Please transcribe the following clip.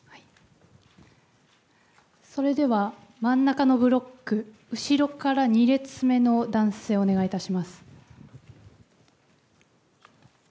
それでは真ん中のブロック、後ろから２列目の男性、お願いいたします。